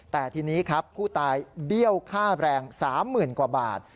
แต่ทีนี้ครับผู้ตายเบี้ยวค่าแรง๓๐๐๐กว่าบาท